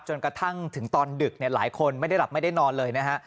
จนกระทั่งถึงตอนดึกหลายคนไม่ได้หลับไม่ได้นอนเลยนะฮะ